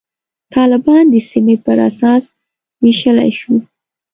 طالبان د سیمې پر اساس ویشلای شو.